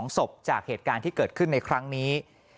๒ศพจากเหตุการณ์ที่เกิดขึ้นในครั้งนี้